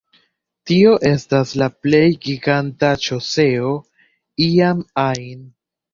Tio estas la plej giganta ŝoseo iam ajn